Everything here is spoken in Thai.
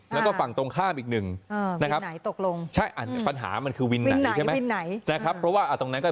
แล้วก็ฝั่งตรงข้ามอีกหนึ่งวินไหนตกลง